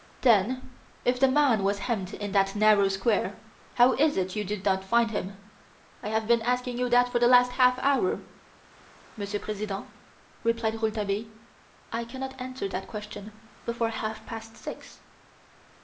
"Then if the man was hemmed in that narrow square, how is it you did not find him? I have been asking you that for the last half hour." "Monsieur President," replied Rouletabille, "I cannot answer that question before half past six!"